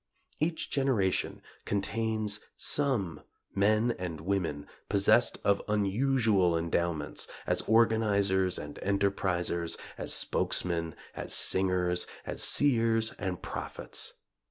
Each generation contains some men and women possessed of unusual endowments as organizers and enterprisers, as spokesmen, as singers, as seers and prophets.